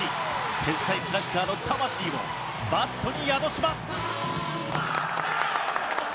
天才スラッガーの魂をバットに宿します。